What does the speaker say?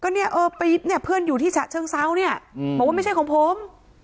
มันไม่ใช่ของผม